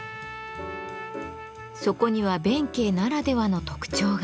そこには弁慶ならではの特徴が。